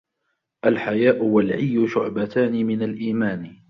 الْحَيَاءُ وَالْعِيُّ شُعْبَتَانِ مِنْ الْإِيمَانِ